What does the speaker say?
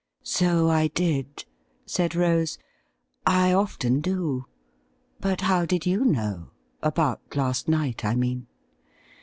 ' So I did,' said Rose ;' I often do. But how did you know — about last night, I mean